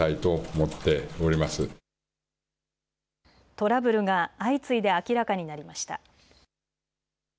トラブルが相次いで明らかになりました。